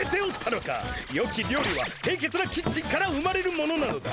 よき料理はせいけつなキッチンから生まれるものなのだ。